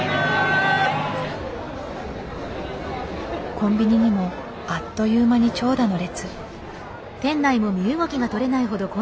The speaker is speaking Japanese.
コンビニにもあっという間に長蛇の列。